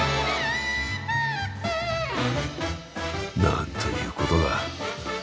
なんということだ。